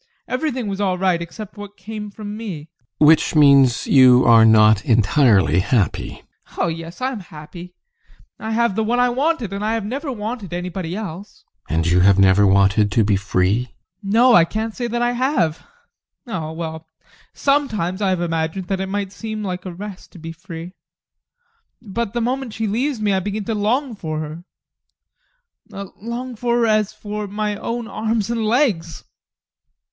Everything was all right except what came from me. GUSTAV. Which means that you are not entirely happy? ADOLPH. Oh yes, I am happy. I have the one I wanted, and I have never wanted anybody else. GUSTAV. And you have never wanted to be free? ADOLPH. No, I can't say that I have. Oh, well, sometimes I have imagined that it might seem like a rest to be free. But the moment she leaves me, I begin to long for her long for her as for my own arms and legs.